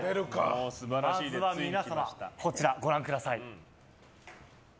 まずは皆様こちらご覧ください。